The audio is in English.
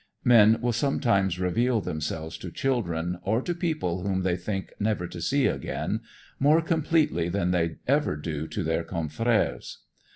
Men will sometimes reveal themselves to children, or to people whom they think never to see again, more completely than they ever do to their confreres.